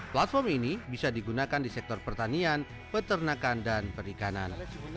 platform ini bisa digunakan di sektor pertanian peternakan dan perikanan